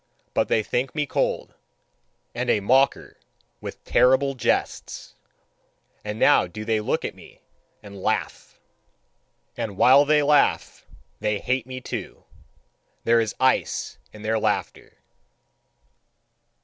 But they think me cold, and a mocker with terrible jests. And now do they look at me and laugh: and while they laugh they hate me too. There is ice in their laughter."